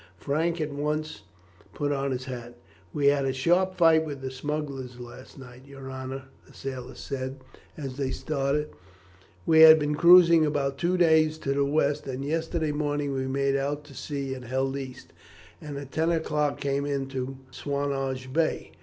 Frank at once put on his hat. "We had a sharp fight with the smugglers last night, your honour," the sailor said as they started. "We had been cruising about for two days to the west, and yesterday morning we made out to sea and held east, and at ten o'clock came into Swanage Bay.